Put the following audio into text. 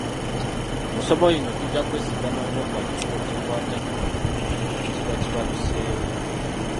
Mu ssomo lino tujja kwesigama nnyo ku alipoota ekwata ku kiba kibaluseewo.